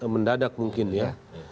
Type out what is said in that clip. mendadak mungkin ya